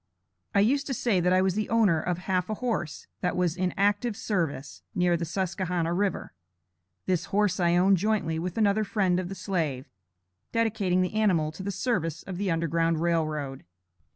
I used to say that I was the owner of half a horse that was in active service, near the Susquehanna River. This horse I owned jointly with another friend of the slave, dedicating the animal to the service of the Underground Rail Road.